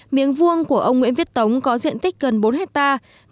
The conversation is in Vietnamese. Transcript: miếng vuông của ông nguyễn viết tống có diện tích gần bốn hectare